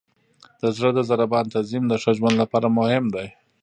د زړه د ضربان تنظیم د ښه ژوند لپاره مهم دی.